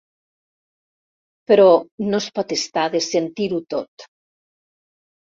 Però no es pot estar de sentir-ho tot.